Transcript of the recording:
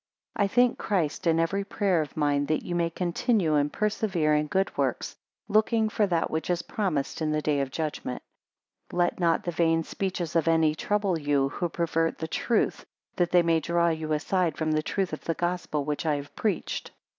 3 I thank Christ in every prayer of mine, that ye may continue and persevere in good works, looking for that which is promised in the day of judgment. 4 Let not the vain speeches of any trouble you, who pervert the truth, that they may draw you aside from the truth of the Gospel which I have preached.